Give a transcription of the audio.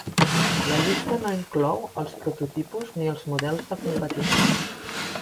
La llista no inclou els prototipus ni els models de competició.